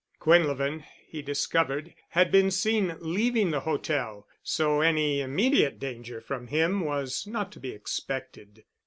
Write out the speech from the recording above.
Quinlevin, he discovered, had been seen leaving the hotel, so any immediate danger from him was not to be expected.